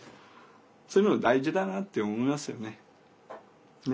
そういうのが大事だなって思いますよね。ね？